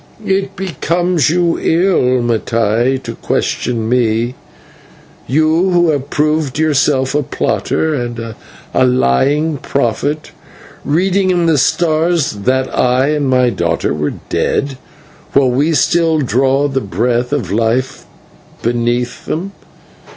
"It becomes you ill, Mattai, to question me you who have proved yourself a plotter and a lying prophet, reading in the stars that I and my daughter were dead, while we still draw the breath of life beneath them.